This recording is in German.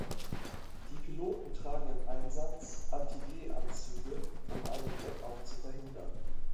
Die Piloten tragen im Einsatz Anti-G-Anzüge, um einen Blackout zu verhindern.